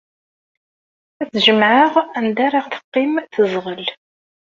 Ad tt-jemɛeɣ anda ara teqqim teẓɣel.